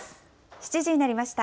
７時になりました。